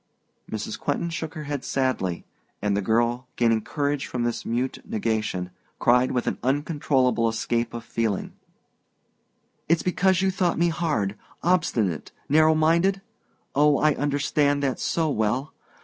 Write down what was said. Mrs. Quentin shook her head sadly, and the girl, gaining courage from this mute negation, cried with an uncontrollable escape of feeling: "It's because you thought me hard, obstinate narrow minded? Oh, I understand that so well!